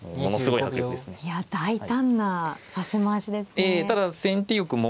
いや大胆な指し回しですね。